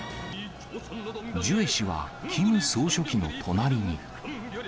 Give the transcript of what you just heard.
ジュエ氏は、キム総書記の隣に。